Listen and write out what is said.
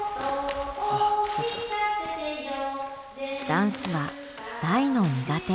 ダンスは大の苦手。